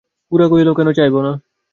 গোরা কহিল, কেন চাইব না?